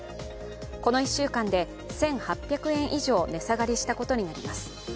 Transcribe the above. この１週間で１８００円以上、値下がりしたことになります。